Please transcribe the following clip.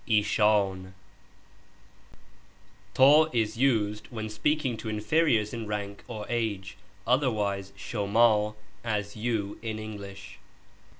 ^J is used when speaking to inferiors in rank or age, other wise Ui,, as ?/OM in English.